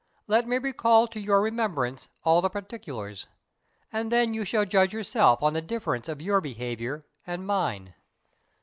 Let me recall to your remembrance all the particulars, and then you shall judge yourself on the difference of your behaviour and mine.